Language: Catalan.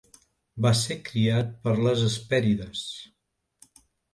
Va ser criat per les Hespèrides.